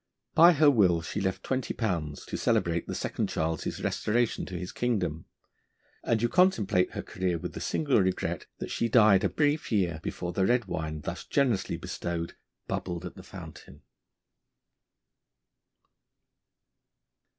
By her will she left twenty pounds to celebrate the Second Charles's restoration to his kingdom; and you contemplate her career with the single regret that she died a brief year before the red wine, thus generously bestowed, bubbled at the fountain.